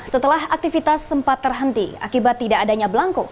setelah aktivitas sempat terhenti akibat tidak adanya belangko